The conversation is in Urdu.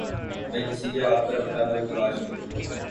میں کس کے ہاتھ پر اپنا لہو تلاش کروں